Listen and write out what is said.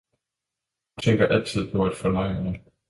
Du tænker altid på at fornøje mig!